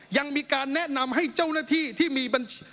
ยังมีการแนะนำให้เจ้าหน้าที่ที่มีบัญชี